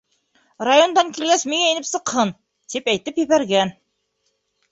Райондан килгәс миңә инеп сыҡһын, тип әйтеп ебәргән.